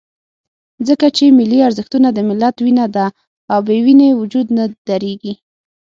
ځکه چې ملي ارزښتونه د ملت وینه ده، او بې وینې وجود نه درېږي.